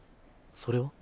それは？